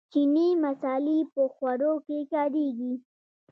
چیني مسالې په خوړو کې کاریږي.